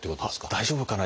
大丈夫かな？